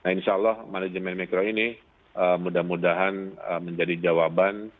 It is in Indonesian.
insya allah manajemen mikro ini mudah mudahan menjadi jawaban